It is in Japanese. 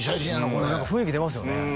これ雰囲気出ますよね